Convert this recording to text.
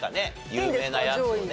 有名なやつをね。